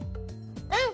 うん！